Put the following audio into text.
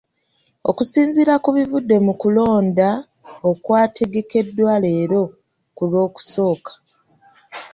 Okusinziira ku bivudde mu kulonda okwategekeddwa leero ku Lwokusooka.